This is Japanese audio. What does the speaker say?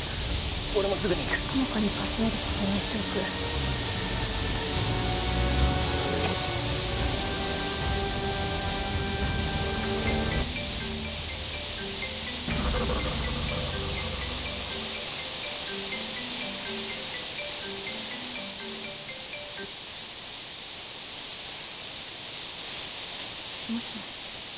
俺もすぐに行く友果にパスワード確認しておくもしもし